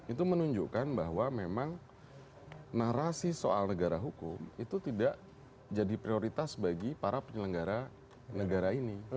itu menunjukkan bahwa memang narasi soal negara hukum itu tidak jadi prioritas bagi para penyelenggara negara ini